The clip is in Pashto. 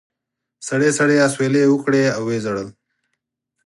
سړې سړې اسوېلې یې وکړې او و یې ژړل.